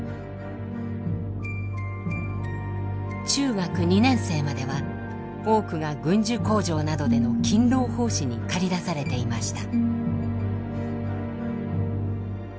中学２年生までは多くが軍需工場などでの勤労奉仕に駆り出されていました。